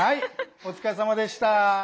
お疲れさまでした！